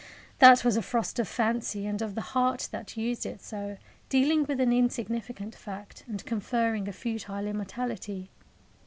Ah, that was a frost of fancy and of the heart that used it so, dealing with an insignificant fact, and conferring a futile immortality.